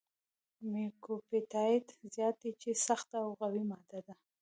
میوکوپپټایډ زیات دی چې سخته او قوي ماده ده.